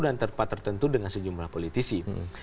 dan tempat tertentu dengan sejumlah politisi